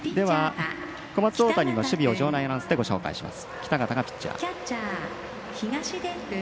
小松大谷の守備を場内アナウンスでお伝えします。